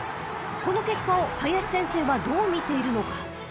［この結果を林先生はどう見ているのか］